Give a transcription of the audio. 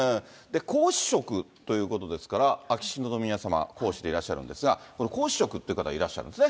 皇嗣職ということですから、秋篠宮さま、皇嗣でいらっしゃるんですが、この皇嗣職という方がいらっしゃるんですね。